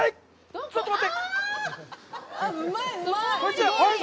ちょっと待って！